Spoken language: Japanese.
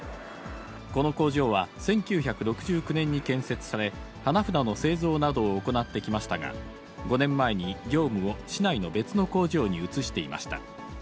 この工場は、１９６９年に建設され、花札の製造などを行ってきましたが、５年前に業務を市内の別の工場に移していました。